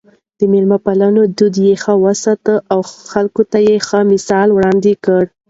د مېلمه پالنې دود يې وساته او خلکو ته يې ښه مثال وړاندې کړ.